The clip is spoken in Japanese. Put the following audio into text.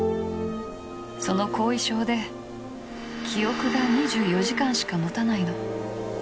その後遺症で記憶が２４時間しか持たないの。